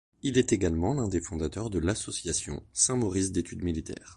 Il est également l'un des fondateurs de l'Association Saint-Maurice d'études militaires.